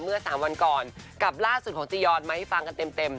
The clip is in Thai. เมื่อ๓วันก่อนกับล่าสุดของจียอนมาให้ฟังกันเต็ม